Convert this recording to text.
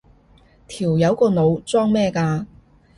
條友個腦裝咩㗎？